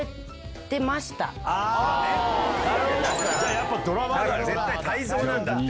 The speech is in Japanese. やっぱドラマだよ絶対泰造なんだって。